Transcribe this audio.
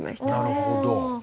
なるほど。